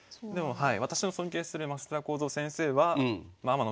はい。